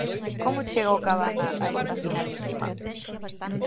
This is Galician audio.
Como chega o Cabana a esta finalísima?